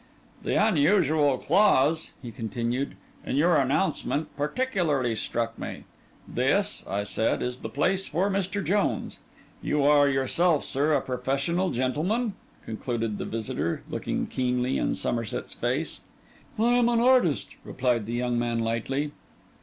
'The unusual clause,' he continued, 'in your announcement, particularly struck me. "This," I said, "is the place for Mr. Jones." You are yourself, sir, a professional gentleman?' concluded the visitor, looking keenly in Somerset's face. 'I am an artist,' replied the young man lightly.